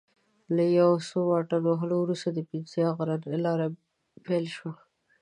له یو څه واټن وهلو وروسته د پیترا غرنۍ لاره پیل شوه.